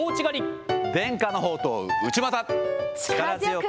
伝家の宝刀、内股。